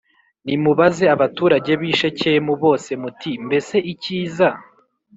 nimubaze abaturage b i Shekemu bose muti mbese icyiza